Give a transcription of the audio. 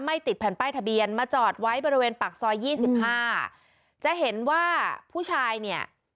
ติดแผ่นป้ายทะเบียนมาจอดไว้บริเวณปากซอยยี่สิบห้าจะเห็นว่าผู้ชายเนี่ย